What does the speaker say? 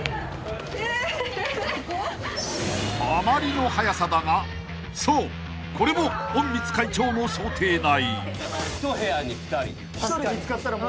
［あまりの早さだがそうこれも隠密会長の想定内］